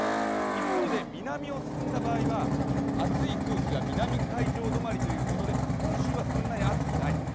一方で南を進んだ場合は熱い空気が南海上止まりということで本州はそんなに暑くない。